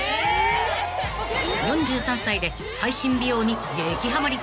［４３歳で最新美容に激ハマり］